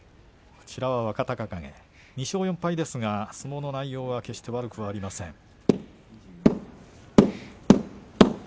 若隆景２勝４敗ですが相撲の内容は決して悪くありません。